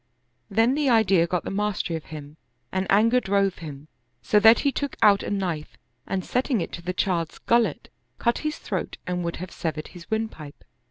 Then the idea got the mastery of him and anger drove him, so that he took out a knife and setting it to the child's gullet, cut his throat and would have severed his windpipe.